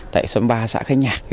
tại xóm ba xã khánh nhạc